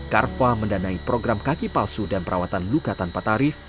carva mendanai program kaki palsu dan perawatan luka tanpa tarif